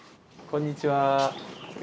こんにちは。